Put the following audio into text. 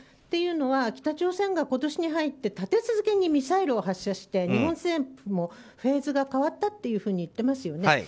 というのは北朝鮮が今年に入って立て続けにミサイルを発射して日本政府もフェーズが変わったと言ってますよね。